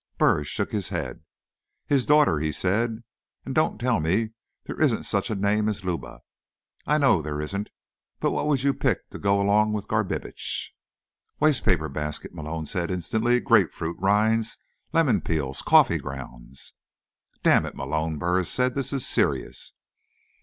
Burris shook his head. "His daughter," he said. "And don't tell me there isn't any such name as Luba. I know there isn't. But what would you pick to go with Garbitsch?" "Wastepaper basket," Malone said instantly. "Grapefruit rinds. Lemon peels. Coffee grounds." "Damn it, Malone," Burris said, "this is serious."